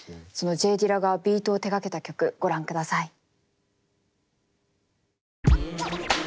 そのＪ・ディラがビートを手がけた曲ご覧ください。